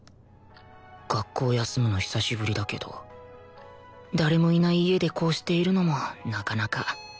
学校休むの久しぶりだけど誰もいない家でこうしているのもなかなか